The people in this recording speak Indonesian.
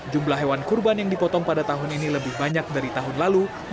jumlah hewan kurban yang dipotong pada tahun ini lebih banyak dari tahun lalu